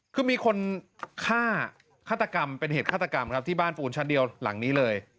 คือมีคนฆ่าฆาตกรรมเป็นเหตุฆาตกรรมครับที่บ้านปูนชั้นเดียวหลังนี้เลย